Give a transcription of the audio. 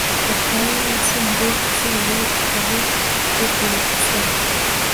gakwaya yasanze kiriya gitabo bigoye gusoma